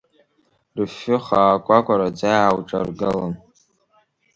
Рыфҩы хаакәакәараӡа иаауҿаргалон.